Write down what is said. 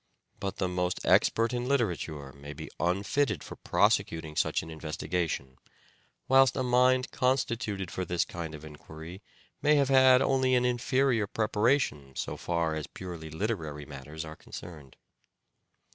But the most expert in literature may be unfitted for prosecuting such an investigation, whilst a mind constituted for this kind of enquiry may have had only an inferior preparation so far as purely literary matters are concerned.